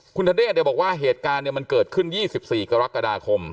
คุณธเนธเดี๋ยวบอกว่าเหตุการณ์เนี่ยมันเกิดขึ้น๒๔กรกฎาคม